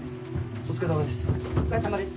お疲れさまです